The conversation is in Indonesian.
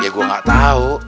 ya gue gak tau